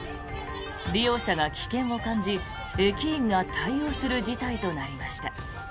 利用者が危険を感じ駅員が対応する事態となりました。